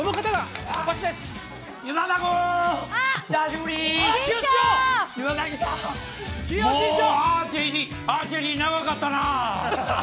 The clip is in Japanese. もうアーチェリー、長かったなあ。